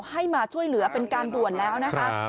ให้มาช่วยเหลือเป็นการด่วนแล้วนะคะ